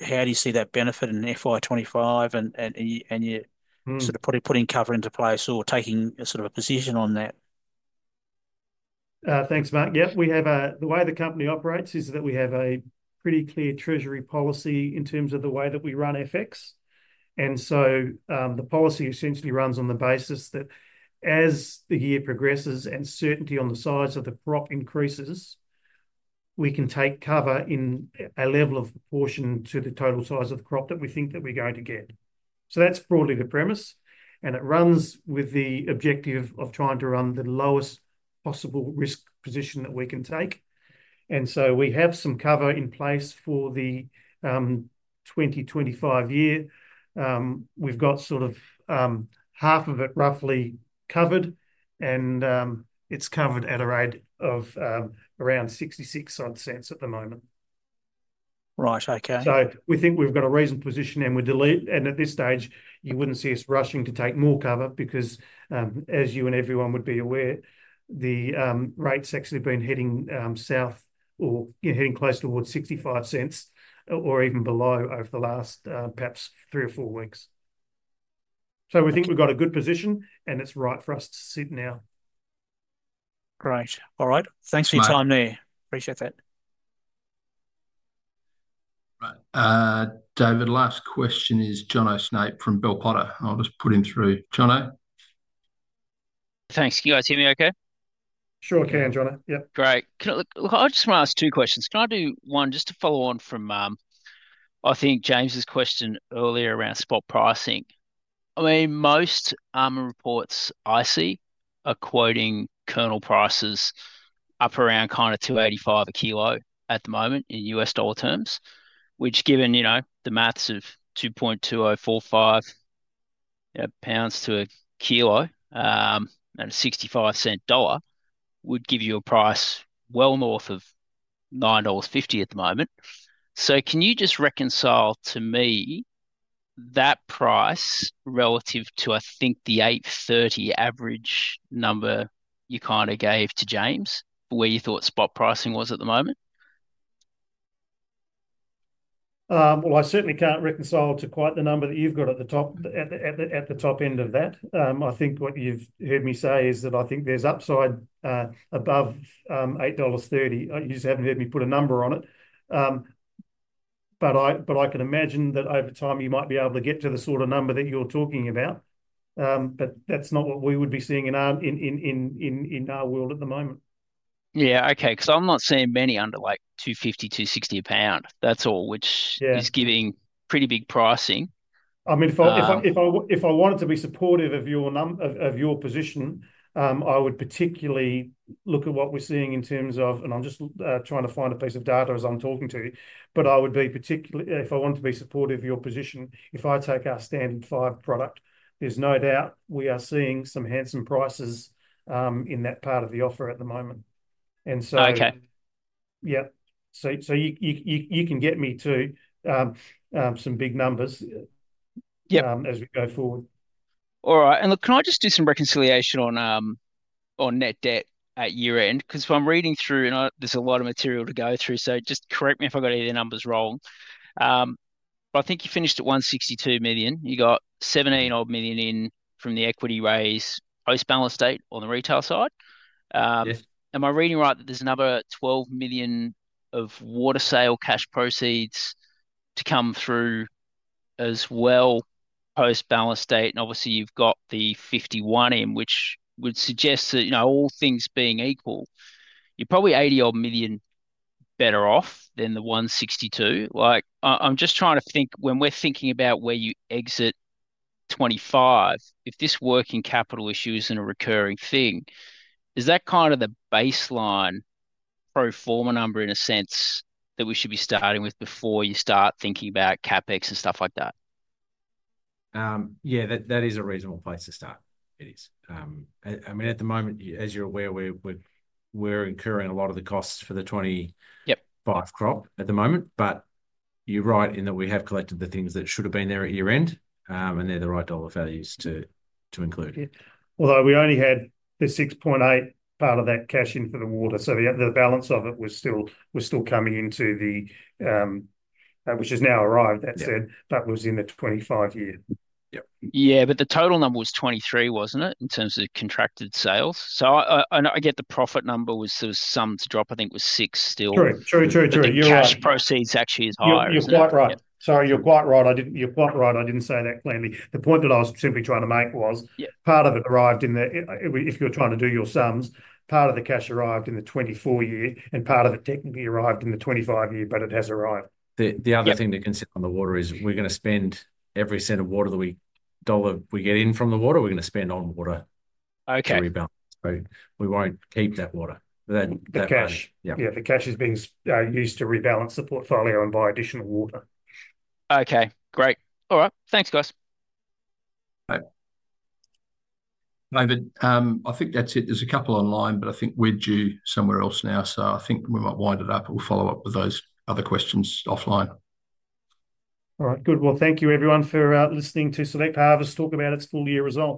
H: do you see that benefit in FY 2025? And you're sort of putting cover into place or taking sort of a position on that?
B: Thanks, Mark. Yeah, the way the company operates is that we have a pretty clear treasury policy in terms of the way that we run FX. The policy essentially runs on the basis that as the year progresses and certainty on the size of the crop increases, we can take cover in a level of proportion to the total size of the crop that we think that we're going to get. That's broadly the premise. It runs with the objective of trying to run the lowest possible risk position that we can take. We have some cover in place for the 2025 year. We've got sort of half of it roughly covered, and it's covered at a rate of around 0.66 at the moment.
H: Right, okay.
B: So we think we've got a reasonable position, and at this stage, you wouldn't see us rushing to take more cover because, as you and everyone would be aware, the rates actually have been heading south or heading close towards 65 cents or even below over the last perhaps three or four weeks. So we think we've got a good position, and it's right for us to sit now.
H: Great. All right. Thanks for your time there. Appreciate that.
B: Right.
A: David, last question is Jonathan Snape from Bell Potter. I'll just put him through. Jonathan.
I: Thanks. Can you guys hear me okay?
B: Sure can, Jonathan.
I: Yep. Great. Look, I just want to ask two questions. Can I do one just to follow on from, I think, James's question earlier around spot pricing? I mean, most almond reports I see are quoting kernel prices up around kind of $2.85 a kilo at the moment in US dollar terms, which, given the maths of 2.2045 pounds to a kilo and a 65-cent dollar, would give you a price well north of $9.50 at the moment. So can you just reconcile to me that price relative to, I think, the $8.30 average number you kind of gave to James where you thought spot pricing was at the moment?
B: Well, I certainly can't reconcile to quite the number that you've got at the top end of that. I think what you've heard me say is that I think there's upside above $8.30. You just haven't heard me put a number on it. But I can imagine that over time, you might be able to get to the sort of number that you're talking about. But that's not what we would be seeing in our world at the moment.
I: Yeah, okay. Because I'm not seeing many under like $2.50, $2.60 a pound. That's all, which is giving pretty big pricing.
B: I mean, if I wanted to be supportive of your position, I would particularly look at what we're seeing in terms of, and I'm just trying to find a piece of data as I'm talking to you, but I would be particularly, if I want to be supportive of your position, if I take our Standard 5 product, there's no doubt we are seeing some handsome prices in that part of the offer at the moment. And so, yeah. So you can get me to some big numbers as we go forward.
I: All right. And look, can I just do some reconciliation on net debt at year-end? Because if I'm reading through, there's a lot of material to go through. So just correct me if I got any of the numbers wrong. But I think you finished at 162 million. You got 17 odd million in from the equity raise post-balance date on the retail side. Am I reading right that there's another 12 million of water sale cash proceeds to come through as well post-balance date? And obviously, you've got the 51 million in, which would suggest that all things being equal, you're probably 80 odd million better off than the 162 million. I'm just trying to think when we're thinking about where you exit 25, if this working capital issue isn't a recurring thing, is that kind of the baseline pro forma number in a sense that we should be starting with before you start thinking about CapEx and stuff like that?
C: Yeah, that is a reasonable place to start. It is. I mean, at the moment, as you're aware, we're incurring a lot of the costs for the 25 crop at the moment. But you're right in that we have collected the things that should have been there at year-end, and they're the right dollar values to include.
B: Although we only had the 6.8 part of that cash in for the water. So the balance of it was still coming into the, which has now arrived, that said, but was in the 25 year.
I: Yeah, but the total number was 23, wasn't it, in terms of contracted sales? So I get the profit number was sort of some to drop. I think it was six still.
B: True, true, true, true.
I: Your cash proceeds actually is higher.
B: You're quite right. Sorry, you're quite right. You're quite right. I didn't say that clearly. The point that I was simply trying to make was part of it arrived in the, if you're trying to do your sums, part of the cash arrived in the 2024 year, and part of it technically arrived in the 2025 year, but it has arrived.
C: The other thing to consider on the water is we're going to spend every cent of water that we get in from the water, we're going to spend on water to rebalance. We won't keep that water.
B: The cash. Yeah, the cash is being used to rebalance the portfolio and buy additional water.
I: Okay, great. All right. Thanks, guys.
A: David, I think that's it. There's a couple online, but I think we're due somewhere else now. So I think we might wind it up. We'll follow up with those other questions offline.
B: All right, good. Thank you, everyone, for listening to Select Harvests talk about its full year result.